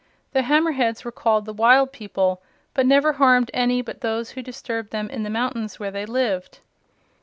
The Hammer Heads were called the "Wild People," but never harmed any but those who disturbed them in the mountains where they lived.